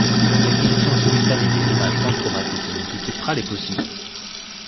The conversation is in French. L’acquisition simultanée des images panchromatiques et multispectrales est possible.